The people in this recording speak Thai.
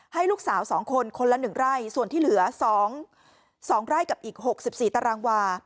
ให้ลูกสาว๒คนคนละ๑ไร่ส่วนที่เหลือ๒ไร่กับอีก๖๔ตารางวา